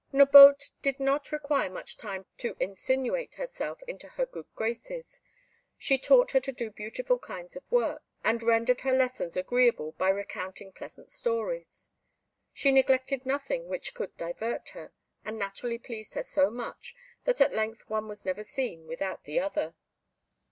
Nabote did not require much time to insinuate herself into her good graces; she taught her to do beautiful kinds of work, and rendered her lessons agreeable by recounting pleasant stories. She neglected nothing which could divert her, and naturally pleased her so much, that at length one was never seen without the other.